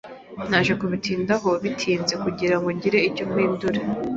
Naje kubitindaho bitinze kugirango ngire icyo mpindura.